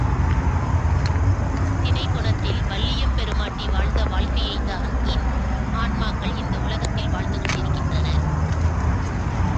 தினைப் புனத்தில் வள்ளியெம்பெருமாட்டி வாழ்ந்த வாழ்க்கையைத்தான் ஆன்மாக்கள் இந்த உலகத்தில் வாழ்ந்து கொண்டிருக்கின்றன.